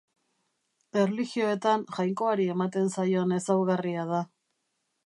Erlijioetan Jainkoari ematen zaion ezaugarria da.